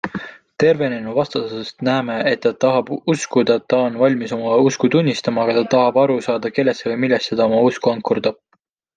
Tervenenu vastusest näeme, et ta tahab uskuda, ta on valmis oma usku tunnistama, aga ta tahab aru saada, kellesse või millesse ta oma usu ankurdab.